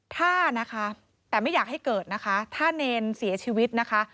ถ้านะคะแต่ไม่อยากให้เกิดนะคะถ้าเนรเสียชีวิตนะคะ